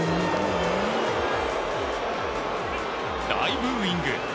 大ブーイング。